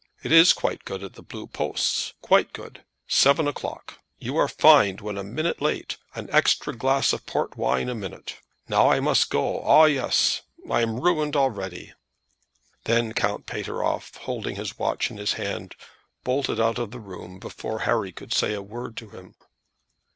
It is quite good at the Blue Posts; quite good! Seven o'clock. You are fined when a minute late; an extra glass of port wine a minute. Now I must go. Ah; yes. I am ruined already." Then Count Pateroff, holding his watch in his hand, bolted out of the room before Harry could say a word to him.